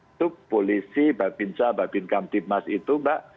itu polisi mbak binca mbak binkam timmas itu mbak